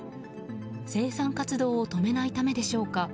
生産活動を止めないためでしょうか